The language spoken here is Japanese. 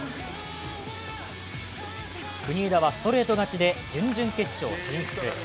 国枝はストレート勝ちで準々決勝進出。